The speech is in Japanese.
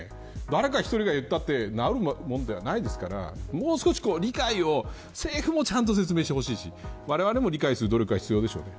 誰か１人が言ったって治るものではないですからもう少し理解を政府もちゃんと説明してほしいしわれわれも理解する努力が必要でしょうね。